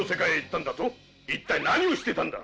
一体何をしてたんだ？